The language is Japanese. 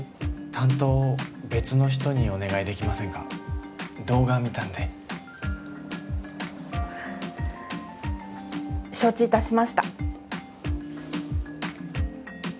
担当別の人にお願いできませんか動画見たんで承知いたしました